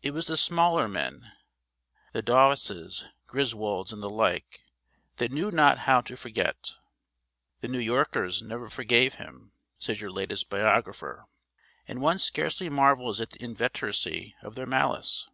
It was the smaller men, the Daweses, Griswolds, and the like, that knew not how to forget. 'The New Yorkers never forgave him,' says your latest biographer; and one scarcely marvels at the inveteracy of their malice.